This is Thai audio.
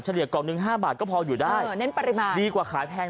เลียกล่องหนึ่งห้าบาทก็พออยู่ได้เน้นปริมาณดีกว่าขายแพง